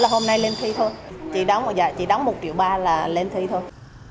hôm nay lên thi thôi chỉ đóng một triệu ba là lên thi thôi